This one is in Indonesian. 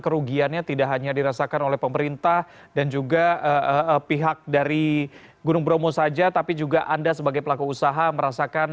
kerugiannya tidak hanya dirasakan oleh pemerintah dan juga pihak dari gunung bromo saja tapi juga anda sebagai pelaku usaha merasa berharga dengan perusahaan ini